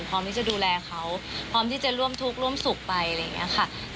พร้อมที่จะดูแลเขาพร้อมที่จะร่วมทุกข์ร่วมสุขไปอะไรอย่างนี้ค่ะ